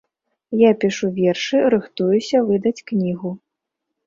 Я пішу вершы, рыхтуюся выдаць кнігу.